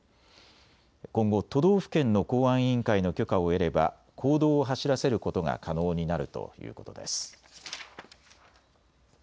今後、都道府県の公安委員会の許可を得れば公道を走らせることが可能になるということです。